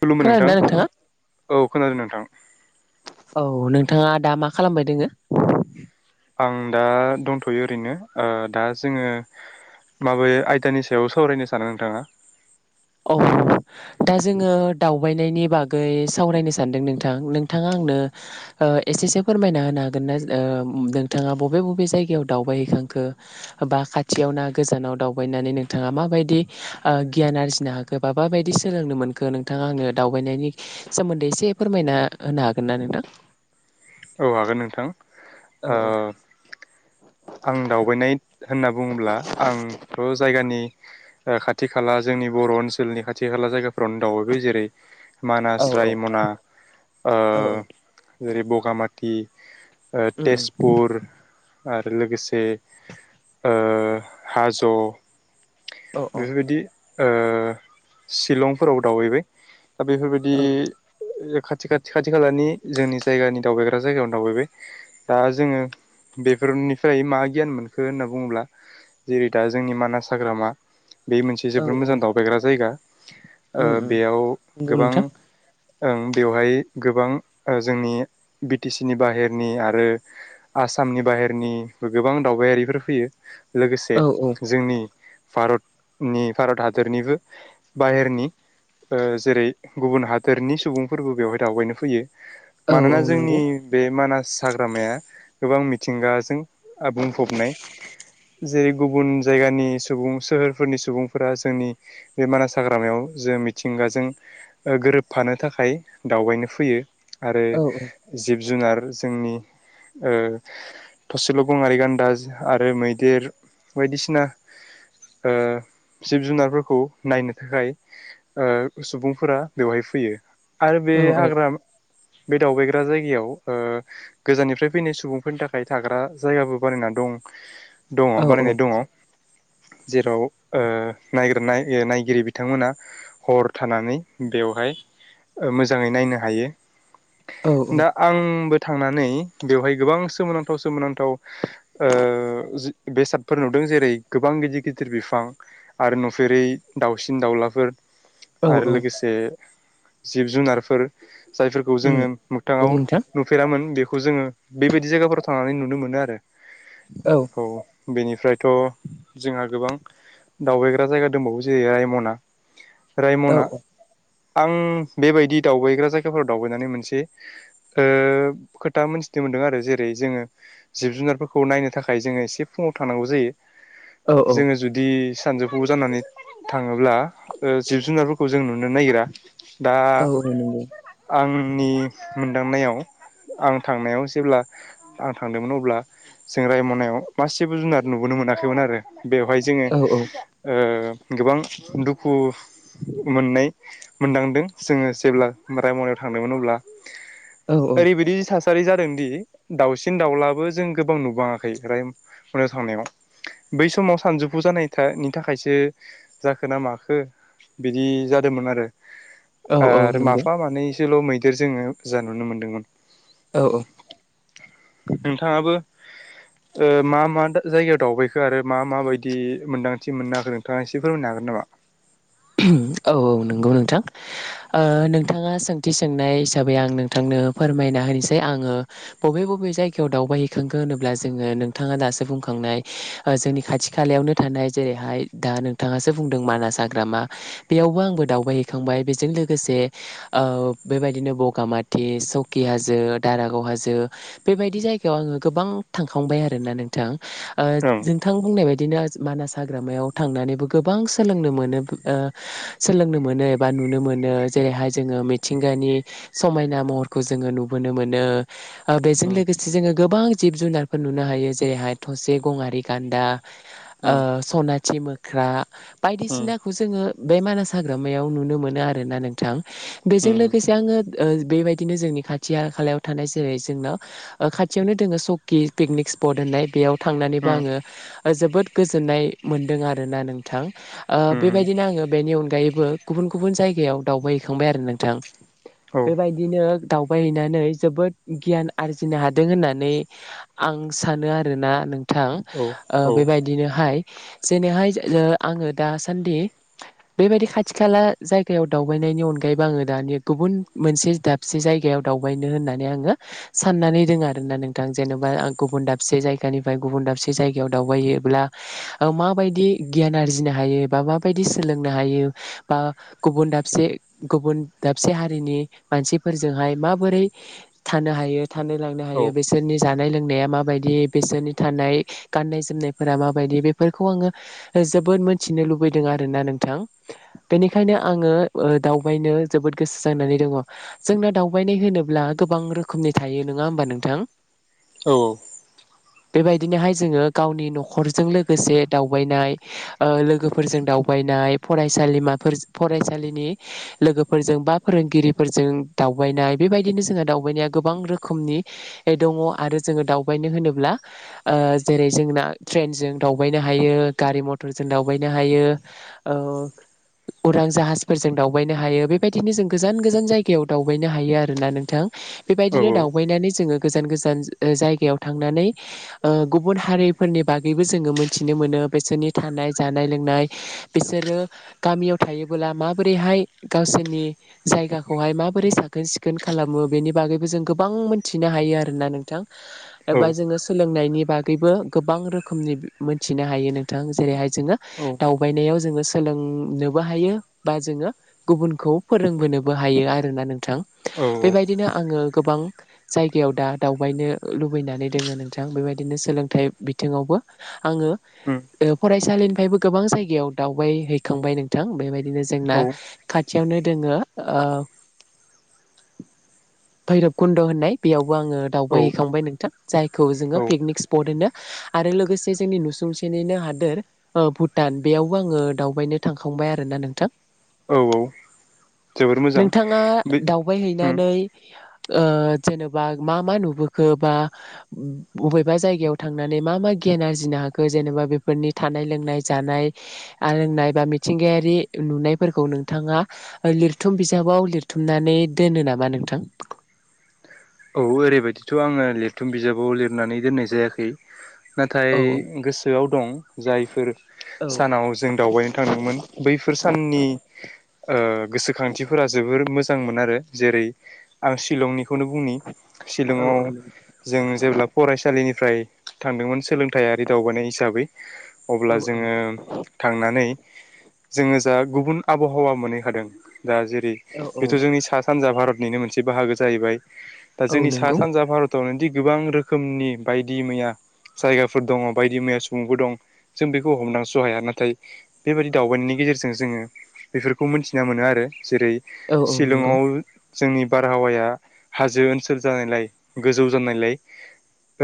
खुलुमबाय नोंथां खोनादोंना नोंथाङा औ खोनादों नोंथां। औ नोंथाङा दा मा खालामबाय दोङो? आं दा दंथ'यो ओरैनो ओ दा जोङो माबै आयदानि सायाव सावरायनो सानो नोंथाङा? औ दा जोङो दावबायनायनि बागै सावरायनो सानदों नोंथां नोंथाङा ओ एसेसो फोरमायना होनो हागोन ना ओ नोंथाङा बबे बबे जायगायाव दावबायहैखो? खो बा खाथियाव ना गोजानाव दावबायनानै नोंथाङा माबायदि गियान आरजि हाखो बा मााबायदि सोलोंनो मोनखो नोंथाङा आंनो दावबायनायनि सोमोन्दै एसे फोरमायना होनो हागोन। ना नोंथां? औ हागोन नोंथां औ ओ औ आं दावबायनाय होनना बुङोब्ला आंथ'जायगानि ओ खाथि खाला जोंनि बर' ओनसोलनि खाथि खाला जायगाफ्रावनो दावबायबाय जेरै मानास, औ रायमना ओ औ औ ओरै बगामाथि ओ उम उम तेजपुर आ लोगोसे ओ हाज' औ औ बेफोरबायदि ओ शिलंफोराव दावबायबाय दा बेफोरबायदि औ ओ खाथि खाथि खाथि खालानि जोंनि जायगानि दावबायग्रा जायगायावनो दावबायबाय दा जोङो बेफोरनि फ्राय मा गियान मोनखो होनना बुङोब्ला जेरै दा जोंनि मानास हाग्रामा बे मोनसे औ जोबोर औ मोजां दावबायग्रा जायगा ओ उम उम बेयाव नंगौ गोबां नोंथां ओं बेवहाय गोबां ओ जोंनि बि टि सि नि बाहेरनि आरो आस आसामनि बाहेरनिबो गोबां दावबायारिफोर फैयो लोगोसे औ औ जोंनि भारतनि भारत हादरनिबो बाहेरनि ओ जेरै गुबुन हादोरनि सुबुंफोरबो बेवहाय दावबायनो फैयो औ मानोना नंगौ जोंनि बे मानास हाग्रामाया गोबां मिथिंगाजों आ बुंफबनाय जेरै गुबुन जायगानि सुबुं सोहोरफोरनि सुबुंफोरा जोंनि बे मानास हाग्रामायाव जों मिथिं गाजों गोरोबफानो थाखाय दावबायनो फैयो आरो औ औ जिब जुनार जोंनि ओ थसेल' गंङारि गान्दा आरो मैदेर बायदिसिना ओ जिब जुनारफोरखौ नायनो थाखाय ओ सुबुंफोरा बेवहाय फैयो आरो बे औ हाग्रा बे दावबायग्रा जायगायाव गोजाननिफ्राय फैनाय सुबुंफोरनि थाखाय थाग्रा जायगाबो बानायना दं दङ औ बानायनाय दङ जेराव ओ नायगिर नाय नायगिरि बिथांमोना हर थानानै बेयाव बेवहाय मोजाङै नायनो हायो औ दा आंबो थांनानै बेवहाय गोबां सोमोनां थाव सोमोनांथाव बेसादफोर नुदों जेरै गोबां गिदिर गिदिर बिफां आरो नुफेरै दाउसिन दाउलाफोर औ औ आरो लोगोसे जिब जुनारफोर जायफोरखौ उम जोङो नंगौ मोगथाङाव नोंथां नुफेरामोन बेखौ जोङो बेबायदि जायगाफोराव थांनानै नुनो मोनो आरो औ बेनिफ्रायथ' जोंहा गोबां दावबायग्रा जायगा दंबावो जेरै रायमना, औ रायमना आं बेबायदि दावबायग्रा जायगाफोराव दावबायनानै मोनसे ओ खोथा मोनथिदोंमोन मोनदों आरो जेरै जोङो जिब जुनारफोरखौ नायनो थाखाय जोङो एसे फुङाव थांनांगौ जायो। औ जोङो जुदि सानजौफु जानानै थाङोब्ला ओ जिब जुनारफोरखौ जों नुनो नागिरा दा औ नंगौ आं नि मोनदांनायाव आं थांनायाव जेब्ला आं थांदोंमोन अब्ला जों रायमनायाव मासेबो जुनाद नुबोनो मोनाखैमोन आरो बेवहाय जोङो औ ओ गोबां दुखु मोननाय मोन्दांदों जोङो जेब्ला रायमनायाव थांदोंमोन अब्ला औ ओरैबायदि थासारि जादोंदि दाउसि दाउलाबो जों गोबां नुबाङाखै राय रायमनायाव थांनायाव। बै समाव सानजौफु जानायनि था नि थाखायसो जाखो ना माखो बिदि जादोंमोन आरो औ औ आरो नंगौ माफा मानैसोल' मैदेर जोङो ओजा नुनो मोनदोंमोन औ औ नोंथाङाबो ओ मा मा जायगायाव दावबायखो आरो मा माबायदि मोन्दांथि मोननो हाखो नोंथाङा एसे फोरमायनो हागोन नामा? [inaudible] औ औ नंगौ नोंथां ओ नोंथाङा सोंथि सोंनाय हिसाबै आं नोंथांनो नो फोरमायना होनोसै आङो बबे बबे जायगायाव दावबायहैखांखो होनोब्ला जोङो नोंथाङा दासो बुं बुंखांनाय ओ जोंनि खाथि खालायावनो थानाय जेरैहाय दा नोंथाङासो बुंदों मानास हाग्रामा बेयावबो आंबो दावबायहैखांबाय बेजों लोगोसे ओ बेबायदिनो बगामाथिस चौकि हाजो दारागाव हाजो बेबायदि जायगायाव आङो गोबां थांखांबाय आरोना नोंथां। ओ ओं नोंथां बुंनाय बायदिनो मानास हाग्रामायाव थांनानैबो गोबां सोलोंनो मोनो। ओ सोलोंनो मोनो एबा नुनो मोनो जेरैहाय जोङो मिथिंगानि समायना मह फोरखौ जोङो नुुबोनो मोनो ओ बेजों लोगोसे जोङो गोबां जिब जुनारफोर नुनो हायो जेरैहाय थसे गंआरि गान्दा उम उम ओ सनाथि मोख्रा बायदिसिना खौ जोङो बे मानास हाग्रामायाव नुनो मोनो आरोना नोंथां बेजों उम लोगोसे आङो ओ बे बेबायदिनो जोंनि खाथिया खालायाव थानाय जेरै जोंनाव ओ खाथियावनो दोङो सकि पिकनिक स्पट होननाय। बेयाव थांनानैबो उम आङो जोबोद गोजोन्नाय मोनदों आरोना नोंथां ओ उम बेबायदिनो आङो बेनि अनगायैबो गुबुन गुबुन जायगायाव दावबाय हैैखांबाय आरो नोंथां। उम औ बेबायदिनो दावबायहैनानै जोबोद गियान आरजिनो हादों होननानै आं सानो आरोना। नोंथां औ ओ औ बेबायदिनोहाय जैनेहाय ओ आङो दा सानदि बेबायदि खाथि खाला जायगायाव दावबायनायनि अनगायैबो आङो दानि गुबुन मोनसि दाबसे जायगायाव दावबायनो होननानै आङो साननानै दोङो आरो ना नोंथां जेन'बा आं गुबुन दाब से जायगानिफ्राय गुबुन दाबसे जायगायाव दावबायहैयोब्ला ओ माबायदि गियान आरजिनो हायो। बा माबायदि सोलोंनो हायो बा गुबन दाबसे गुबुन दाबसे हारिनि मानसिफोरजोंहाय माबोरै थानो हायो थानो लांनो औ हायो बेसोरनि जानाय लोंनाया मा बायदि बिसोरनि थानाय गाननाय जोमनाय फोरा माबायदि बेफोरखौ आङो जोबोद मोनथिनो लुुब बैदों आरोना नोंथां बेनिखायनो आङो ओ दावबायनो जोबोद गोसो जानानै दङ। जोंना दावबायनाय होनोब्ला गोबां रोखोमनि थायो नङा होमबा नोंथां। औ। बेबायदिनोहाय जोङो गावनि न'खरजों लोगोसे दावबायनाय ओ लोगोफ फोरजों दावबायनाय फरायसालिमाफोर फरायसालिनि लोगोफोरजों बा फोरोंगिरिफोरज जों दावबायनाय बेबायदिनो जोंहा दावबायनाया गोबां रोखोमनि दङ आरो जोङो दावबायनो होनोब्ला ओ जेरै जोंना ट्रेन जों दावबायनो हायो गारि मथरजों दावबाय नो हायो औ उरां जाहाजफोरजों दावबायनो हायो बेबायदिनो जों गोजान गोजान जायगायाव दावबायनो हायो आरोना नोंथां। बेबायदिनो दावबायनानै जोङो गोजान गोजान ओ जायगायाव थांनानै ओ गुबुन हारिफोरनि बागैबो जोङो मोनथिनो मोनो। ओ बैसोरनि थानाय जानाय लोंनाय बिसोरो गामियाव थायोबोला माबोरैहाय गावसोरनि जायगाखौहाय माबोरै साखोन सिखोन खालामो बेनि बागैबो जों गोबां मोनथिनो हायो आरोना नोंथां एबा औ जोङो सोलोंनायनि बागैबो गोबां रोखोमनि मोनथिनो हायो नोंथां जेरैहाय जोङो औ दावबायनायाव जोङो सोलोंनोबो हायो बा जोङो गुबुनखौ फोरोंबो नोबो हायो आरोना नोंथां औ बेबायदिनो आङो गोबां जायगायाव दा दावबायनो लुबैनानै दोङो नोंथां बेबायदिनो सोलोंथाइ बिथिङावबो आङो उम ओ फराय सालिनिफायबो गोबां जायगायाव दावबाय हैखांबाय नोंथां बेबायदिनो औ जोंना खाथियावनो दोङो औ। भैरब कुन्द' होननाय बेयावबो आङो औ दावबायहैखांबाय नोंथां जायखौ जोङो औ पिकनिक स्पट होनो आरो लोगोसे जोंनि नुसुंसेनिनो हादोर ओ भुटान बेयावबो आङो दावबायनो थांखांबाय आरो ना नोंथां औ जोबोर मोजां नोंथाङा बे दावबाय उम हैैनानै ओ जेनेबा मा मा नुबोखो बा बबेबा जायगायाव थांनानै मा मा गि यान आरजिनो हाखो जेनेबा बेफोरनि थानाय लोंनाय जानाय आरो नायबा मिथिंगायारि नुनायफोरखौ नोंथाङा लिरथुम बिजाबाव लिरथुमनानै दोनो नामा नोंथां? औ ओरैबायदिथ' आङो लिरथुम बिजाबाव लिरनानै दोननाय जायाखै औ नाथाय गोसोआव दं जायफोर औ सानाव जों दावबायनो थांदोंमोन बैफोर साननि ओ गोसोखांथिफोरा जोबोर मो जां मोन आरो जेरै आं शिलंनिखौनो बुंनि शिलंआव औ जों जेब्ला फरायसालिनि फ्राय थांदोंमोन सोलोंथाइयारि दावबायानाय हिसाबै अब्ला औ औ जोङो थांनानै जोङो जा गुबुन आबहावा मोनैखादों दा जेरै औ औ बेथ' जोंनि सा सानजा भारत निनो मोनसे बाहागो जाहैबाय दा औ जोंनि सा नंगौ सानजा भारत यावनोदि गोबां रोखोमनि बायदि मैया जायगाफोर दङ बायदि मैया सुबुंफोर दं जों बेखौ हमदांसहाया नाथाय बेबायदि दावबायनायनि गेजेरजों जोङो बेफोरखौ मोनथिना मोनो आरो जेरै औ औ नंगौ शिलंआव जोंनि बारहावाया हाजो ओनसोल जानायलाय गोजौ जानायलाय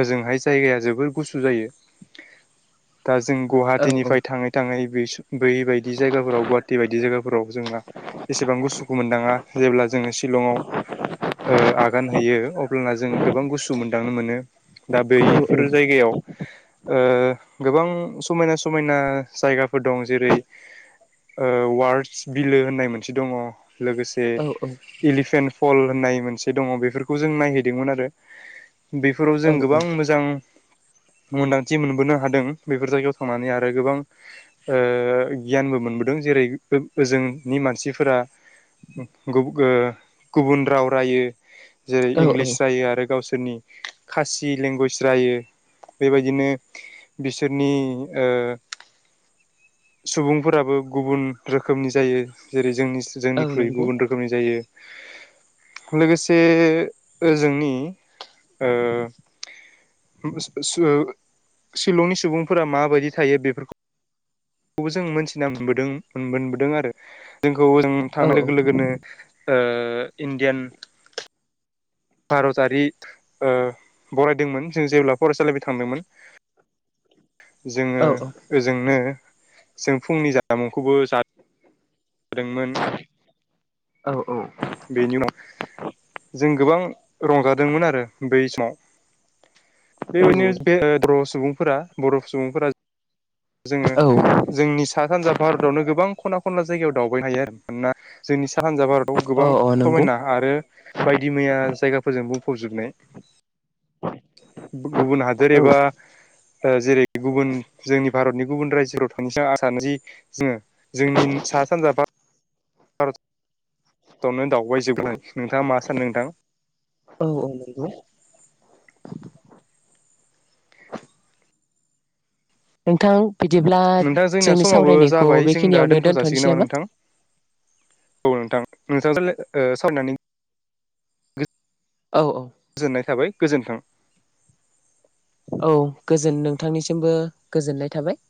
ओजोंहाय जायगाया जोबोर गुसु जायो दा जों औ औ गुवाहाटिनिफ्राय थाङै थाङै बे बै बायदि जायगाफोराव गुवाहाटि बायदि जायगाफोराव जोंना एसेबां गुसुखौ मोनदाङा जेब्ला जोङो शिलंआव ओ आगान होयोयो अब्लाना जों गोबां गुसु मोन्दांनो मोनो दा औ औ बैफोर जायगायाव ओ गोबां समायना समायना जायगाफोर दं जेरै ओ वार्डस बिलो होननाय मोनसे दङ लोगोसे इलिफेन्ट फल होननाय मोनसे दङ बेफोर खौ जों नायहैदोंमोन आरो बेफोराव जों गोबां मोजां मोन्दांथि मोनबोनो हादों बेफोर जायगायाव थांनानै आरो गोबां ओ गियानबो मोन बोदों जेरै ओजोंनि मानसिफोरा गु ओ गुबुन राव रायो जेरै औ इंलिस रायो आरो गावसोर सोरनि खासि लेंगुवेज रायो। बेबायदिनो बिसोरनि ओ सुबुंफोराबो गुबुन रोखोमनि जायो जेरै जोंनि औ जोंनिख्रुइ नंगौ गुबुन रोखोमनि जायो लोगोसे ओजोंनि ओ [unintelligible] शिलंनि सुबुंफोरा माबायदि थायो बेफोरखौ बेखौबो जों मोनथिना मोनबोदों मोनबोदों आरो जों खौ जों औ थांनाय लोगो लोगोनो ओ इण्डियान भारतारि ओ बरायदोंमोन जों जेब्ला फरायसालिनिफाय थांदोंमोन [inaudible] जोङो औ ओजोंनो जों फुंनि जामामुंखौबो जादोंमोन औ औ। बेनि उनाव जों गोबां रंजादोंमोन आरो बै समाव। बेबायदिनो बे बर' सुबुंफोरा बर' सुबुंफोरा जोङो जोंनि सा सानज भारतावनो गोबां खना खनला जायगायाव दावबाय हायो आरो मानोना जोंनि सा सानजा भारत। याव औ गोबां औ नंगौ समायना आरो। बायदि मैया जायगाफोरजों बुंफबजोबनाय गुबुन हादोर एबा ओ जेरै गुबुन जोंनि भारतनि गुबुन रायजोफोराव थांनिस आं सानो जि जोङो जोंनि सा सानजा बा आवनो दावबाय जोबनाय नोंथाङा मा सानो नोंथां। [inaudible] नोंथां बिदिब्ला नोंथां जोंना जोंनि समाबो सावरायनायखौ जाबाय जों दा बेखिनियावनो दोनथ' जासिगोन दोन्थ'नोसै नामा? नोंथां? औ नोंथां नोंथांजों ओ सावनानै गो औ औ जोननाय थाबाय, गोजोन्थों औ गोजोन नोंथांनिसिमबो गोजोननाय थाबाय।